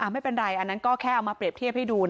ไม่เป็นไรอันนั้นก็แค่เอามาเปรียบเทียบให้ดู